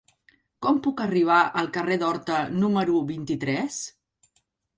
Com puc arribar al carrer d'Horta número vint-i-tres?